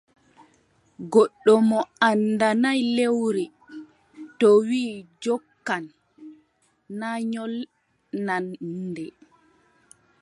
Goɗɗo mo anndanaay yewre, to wii jokkan, na nyolnan nde.